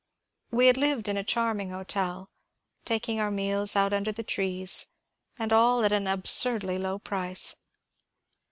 We had lived in a charming hotel, taking our meals out under the trees, and all at an absurdly low price.